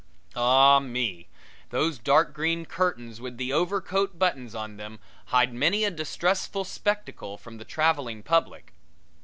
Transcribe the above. Ah me, those dark green curtains with the overcoat buttons on them hide many a distressful spectacle from the traveling public!